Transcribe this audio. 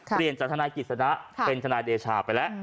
จากทนายกิจสนะเป็นทนายเดชาไปแล้ว